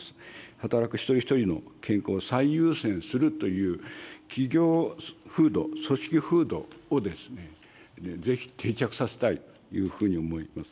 働く一人一人の健康を最優先するという企業風土、組織風土をぜひ定着させたいというふうに思います。